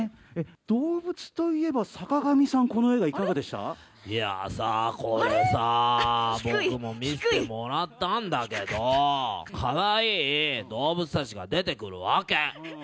動物といえば、坂上さん、いやさ、これさ、僕も見せてもらったんだけど、かわいい動物たちが出てくるわけ。